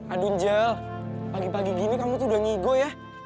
aduhnjel pagi pagi gini kamu tuh udah ngigo ya